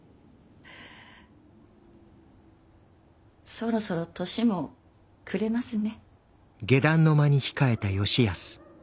そろそろ年も暮れますね。